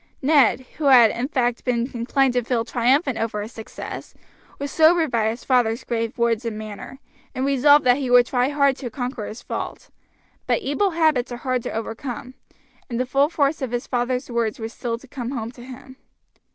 Ned, who had in fact been inclined to feel triumphant over his success, was sobered by his father's grave words and manner; and resolved that he would try hard to conquer his fault; but evil habits are hard to overcome, and the full force of his father's words was still to come home to him.